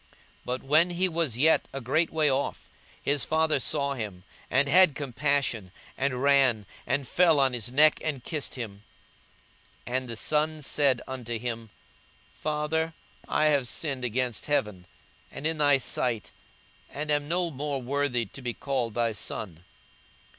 But when he was yet a great way off, his father saw him, and had compassion, and ran, and fell on his neck, and kissed him. 42:015:021 And the son said unto him, Father, I have sinned against heaven, and in thy sight, and am no more worthy to be called thy son.